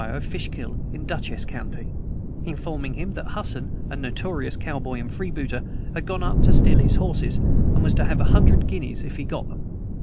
of Fishkill, in Dutchess county, informing him that Husson, a notorious cowboy and freebooter, had gone up to steal his horses, and was to have a hundred guineas if he got them.